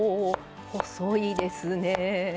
細いですね。